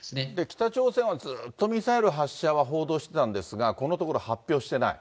北朝鮮はずっとミサイル発射は報道してたんですが、このところ、発表してない。